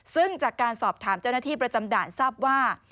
ซึ่งจากการสอบถามเจ้าหน้าที่ประจำด่านทราบว่า